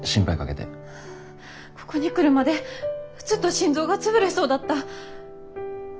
ここに来るまでずっと心臓が潰れそうだった。